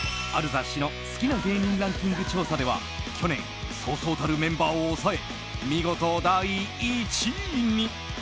雑誌の好きな芸人ランキング調査では去年そうそうたるメンバーを抑え見事、第１位に。